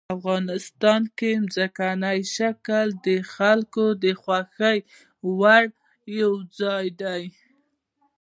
افغانستان کې ځمکنی شکل د خلکو د خوښې وړ یو ځای دی.